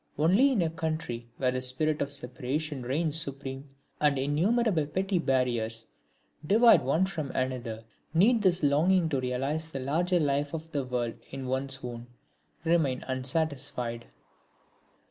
Only in a country where the spirit of separation reigns supreme, and innumerable petty barriers divide one from another, need this longing to realise the larger life of the world in one's own remain unsatisfied.